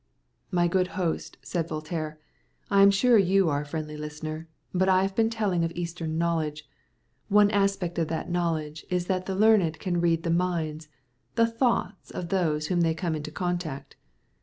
"My good host," said Voltaire, "I am sure you are a friendly listener, but I have been telling of Eastern knowledge. One aspect of that knowledge is that the learned can read the minds, the thoughts of those with whom they come into contact."